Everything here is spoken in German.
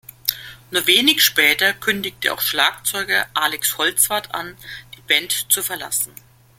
Nur wenig später kündigte auch Schlagzeuger Alex Holzwarth an, die Band zu verlassen.